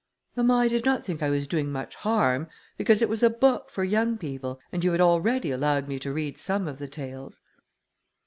"Mamma, I did not think I was doing much harm, because it was a book for young people, and you had already allowed me to read some of the tales."